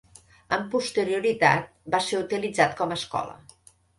Amb posterioritat, va ser utilitzat com a escola.